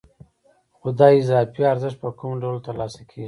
خو دا اضافي ارزښت په کوم ډول ترلاسه کېږي